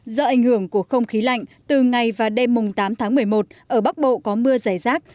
do ảnh hưởng của không khí lạnh từ ngày và đêm tám tháng một mươi một ở bắc bộ có mưa dày rác